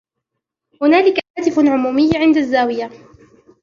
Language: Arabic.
هنالك هاتف عمومي عند الزاوية.